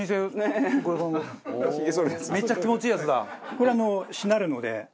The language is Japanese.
これしなるので。